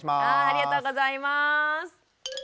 ありがとうございます。